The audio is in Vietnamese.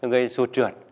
gây sột trượt